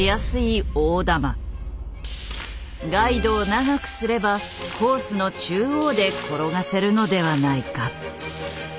ガイドを長くすればコースの中央で転がせるのではないか。